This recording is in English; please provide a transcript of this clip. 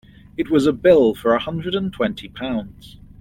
It was a bill for a hundred and twenty pounds.